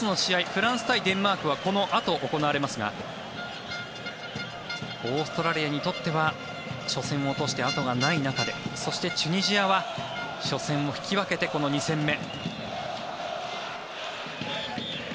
フランス対デンマークはこのあと行われますがオーストラリアにとっては初戦を落として後がない中でそして、チュニジアは初戦を引き分けてこの２戦目。